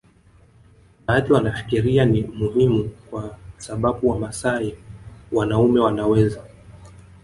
Baadhi wanafikiria ni muhimu kwa sababu Wamasai wanaume wanaweza